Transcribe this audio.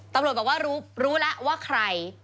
ตำรวจบอกว่ารู้แล้วว่าใคร